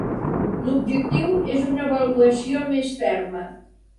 L'objectiu és una avaluació més ferma.